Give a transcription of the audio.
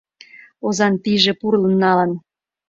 - Озан пийже пурлын налын.